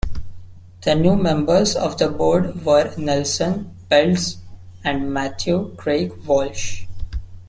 The new members of the board were Nelson Peltz and Matthew Craig Walsh.